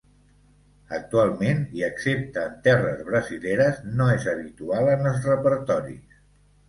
Actualment i excepte en terres brasileres, no és habitual en els repertoris.